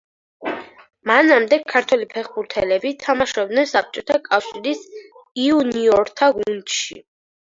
მანამდე ქართველი ფეხბურთელები თამაშობდნენ საბჭოთა კავშირის იუნიორთა გუნდში.